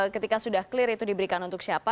ketika sudah clear itu diberikan untuk siapa